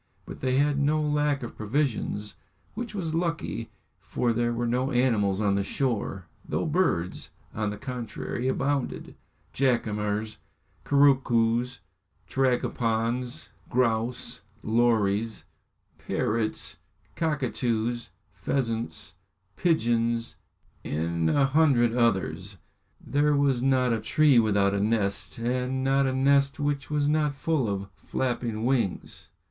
But they had no lack of provisions, which was lucky, for there were no animals on the shore, though birds, on the contrary, abounded jacamars, couroucoos, tragopans, grouse, lories, parrots, cockatoos, pheasants, pigeons, and a hundred others. There was not a tree without a nest, and not a nest which was not full of flapping wings.